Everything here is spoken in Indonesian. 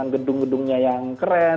gedung gedungnya yang keren